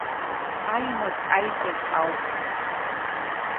Аимак-аиҿак ауп.